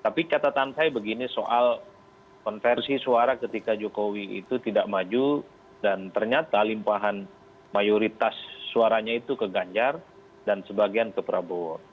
tapi catatan saya begini soal konversi suara ketika jokowi itu tidak maju dan ternyata limpahan mayoritas suaranya itu ke ganjar dan sebagian ke prabowo